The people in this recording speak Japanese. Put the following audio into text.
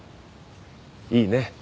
いいね。